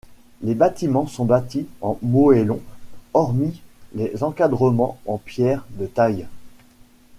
Les bâtiments sont bâtis en moellons, hormis les encadrements en pierre de taille.